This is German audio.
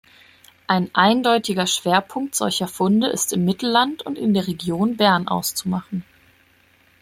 Ein eindeutiger Schwerpunkt solcher Funde ist im Mittelland und in der Region Bern auszumachen.